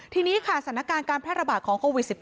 ทีนี้ค่ะสถานการณ์การแพร่ระบาดของโควิด๑๙